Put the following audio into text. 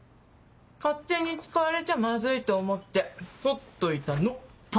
勝手に使われちゃマズいと思って取っといたの！